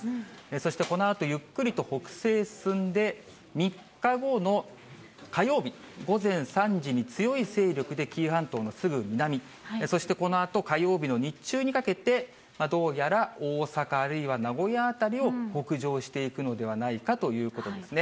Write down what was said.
そしてこのあとゆっくりと北西へ進んで、３日後の火曜日午前３時に強い勢力で紀伊半島のすぐ南、そしてこのあと、火曜日の日中にかけて、どうやら大阪、あるいは名古屋辺りを北上していくのではないかということですね。